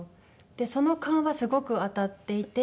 その勘はすごく当たっていて。